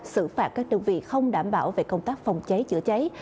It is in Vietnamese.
xử phạt các đơn vị không đảm bảo về công tác phòng cháy chữa cháy